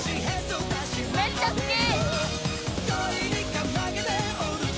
めっちゃ好き。